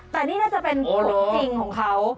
แต่นี่น่าจะเป็นลูกจริงของเขา